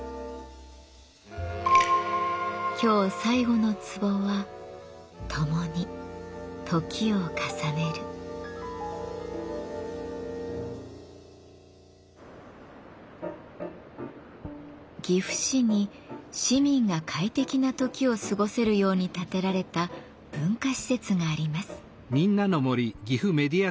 今日最後の壺は岐阜市に市民が快適な時を過ごせるように建てられた文化施設があります。